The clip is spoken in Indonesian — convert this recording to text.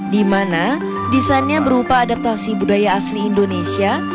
dimana desainnya berupa adaptasi budaya asli indonesia